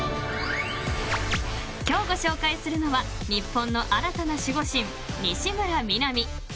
［今日ご紹介するのは日本の新たな守護神］